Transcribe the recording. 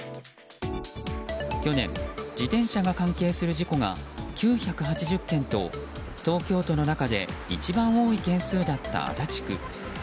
去年、自転車が関係する事故が９８０件と東京都の中で一番多い件数だった足立区。